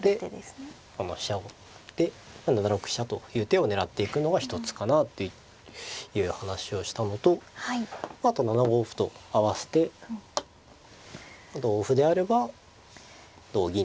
この飛車を７六飛車という手を狙っていくのが一つかなという話をしたのとまああと７五歩と合わせて同歩であれば同銀と。